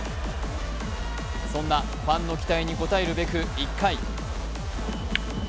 そんなファンの期待に応えるべく、１回。